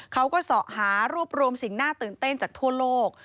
เขาก็เสาะหารวบรวมสิ่งน่าตื่นเต้นจากทั่วโลก